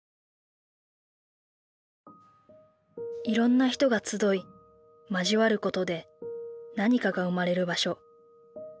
いろんな人が集い交わることで何かが生まれる場所。